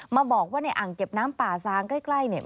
มาบอกว่าในอ่างเก็บน้ำป่าซางใกล้เนี่ย